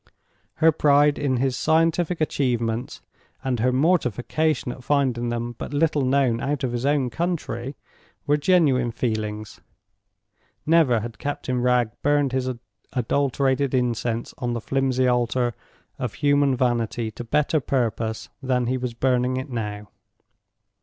Her pride in his scientific achievements, and her mortification at finding them but little known out of his own country, were genuine feelings. Never had Captain Wragge burned his adulterated incense on the flimsy altar of human vanity to better purpose than he was burning it now.